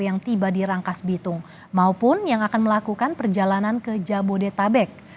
yang tiba di rangkas bitung maupun yang akan melakukan perjalanan ke jabodetabek